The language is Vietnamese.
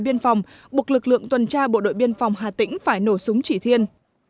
biên phòng buộc lực lượng tuần tra bộ đội biên phòng hà tĩnh phải nổ súng chỉ thiên